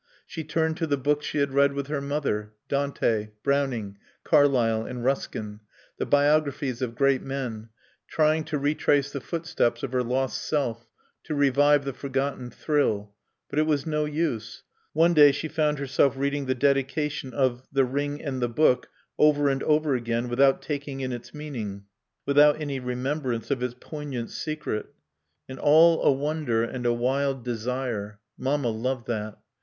She turned to the books she had read with her mother, Dante, Browning, Carlyle, and Ruskin, the biographies of Great Men, trying to retrace the footsteps of her lost self, to revive the forgotten thrill. But it was no use. One day she found herself reading the Dedication of The Ring and the Book over and over again, without taking in its meaning, without any remembrance of its poignant secret. "'And all a wonder and a wild desire' Mamma loved that."